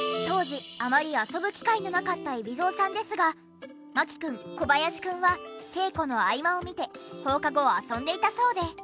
当時あまり遊ぶ機会のなかった海老蔵さんですが牧くん小林くんは稽古の合間を見て放課後遊んでいたそうで。